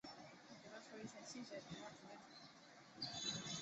许多学生成了虔诚的信徒。